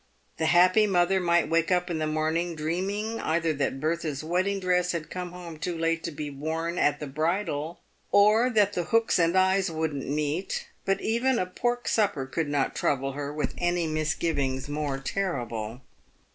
The happy mother might wake up in the morning dreaming either that Bertha's wedding dress had come home too late to be worn at the bridal, or that the hooks and eyes wouldn't meet ; but even a pork supper could not trouble her with any misgivings more terrible.